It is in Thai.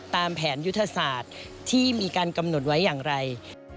ตามแผนยุทธศาสตร์ที่มีการกำหนดไว้อย่างไร